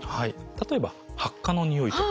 例えばハッカの匂いとか。